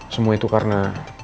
semua itu karena